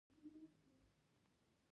دماغ ښه فکر کولو ته پریږدي.